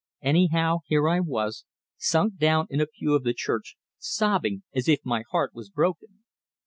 Anyhow, here I was, sunk down in a pew of the church, sobbing as if my heart was broken.